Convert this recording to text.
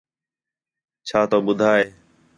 چَھا تُو بدھا ہے